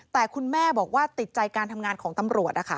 แต่คุณแม่บอกว่าติดใจการทำงานของตำรวจนะคะ